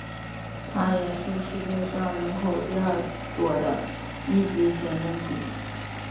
它也是世界上人口第二多的一级行政区。